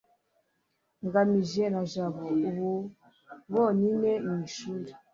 ngamije na jabo ubu bonyine mu ishuri